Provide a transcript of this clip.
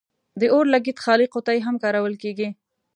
د اور لګیت خالي قطۍ هم کارول کیږي.